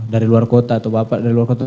dari luar kota atau bapak dari luar kota